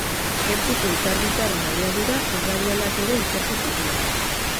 Gertuko izar bitarren abiadura erradialak ere ikertu zituen.